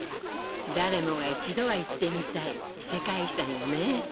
誰もが一度は行ってみたい世界遺産よね。